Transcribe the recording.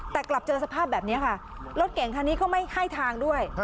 แต่กลับเจอสภาพแบบนี้ค่ะรถเก่งคันนี้ก็ไม่ให้ทางด้วย